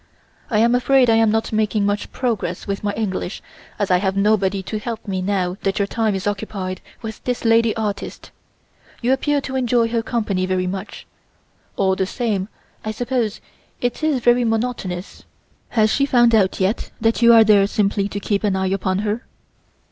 I am afraid I am not making much progress with my English as I have nobody to help me now that your time is occupied with this lady artist. You appear to enjoy her company very much. All the same I suppose it is very monotonous. Has she found out yet that you are there simply to keep an eye upon her?"